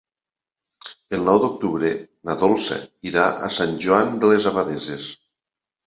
El nou d'octubre na Dolça irà a Sant Joan de les Abadesses.